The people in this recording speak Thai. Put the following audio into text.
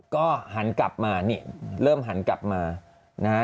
ก็หันกลับมานี่เริ่มหันกลับมานะฮะ